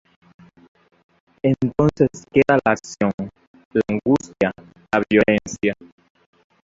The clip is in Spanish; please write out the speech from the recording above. Entonces, queda la acción, la angustia, la violencia.